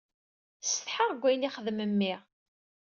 Ssetḥaɣ deg ayen ixeddem mmi.